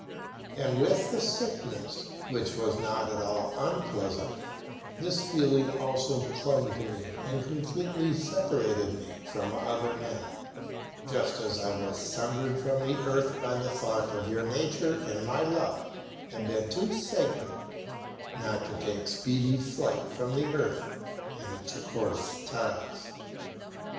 And with the sickliness, which was not at all unpleasant, this feeling also clung to me and completely separated me from other men, just as I was sundered from the earth by the thought that your nature and my love had been too sacred not to take speedy flight from earth and its coarse ties.